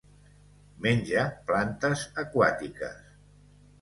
Menja plantes aquàtiques.